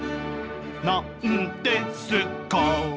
なんですか。